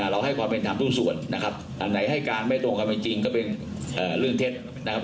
เราให้ความเป็นธรรมทุกส่วนนะครับอันไหนให้การไม่ตรงกันเป็นจริงก็เป็นเรื่องเท็จนะครับ